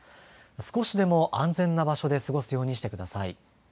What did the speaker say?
少しでも安全な場所で過ごすようにしてください。